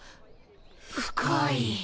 深い。